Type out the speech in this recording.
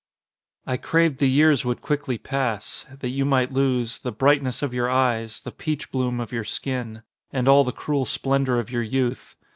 I craved the years would quickly pass That you might lose The brightness of your eyes, the peach bloom of your skin, And all the cruel splendour of your youth.